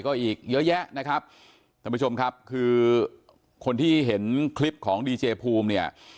ก็อีกเยอะแยะนะครับท่านผู้ชมครับคือคนที่เห็นคลิปของดีเจภูมิเนี่ย